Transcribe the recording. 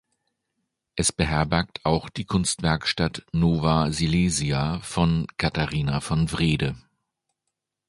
Es beherbergt auch die Kunstwerkstatt "Nova Silesia" von Katharina von Wrede.